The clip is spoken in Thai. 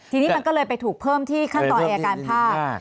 ทีนี้มันก็เลยไปถูกเพิ่มที่ขั้นตอนอายการภาค